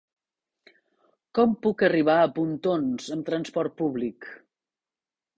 Com puc arribar a Pontons amb trasport públic?